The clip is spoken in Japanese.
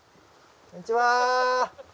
こんにちは！